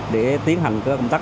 để tiến hành công tác